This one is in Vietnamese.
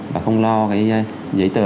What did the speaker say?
và không lo cái giấy tờ